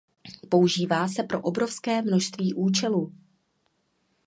Používá se pro obrovské množství účelů.